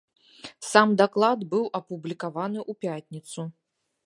Сам даклад быў апублікаваны ў пятніцу.